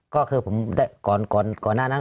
ก็คือผมก่อนหน้านั้น